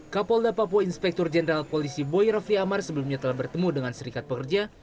kapolda papua inspektur jenderal polisi boy rafli amar sebelumnya telah bertemu dengan serikat pekerja